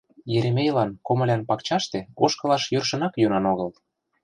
Еремейлан комылян пакчаште ошкылаш йӧршынак йӧнан огыл.